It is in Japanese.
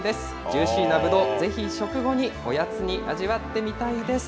ジューシーなぶどう、ぜひ食後におやつに、味わってみたいです。